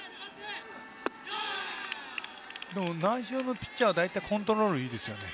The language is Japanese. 習志野のピッチャーは大体コントロールいいですよね。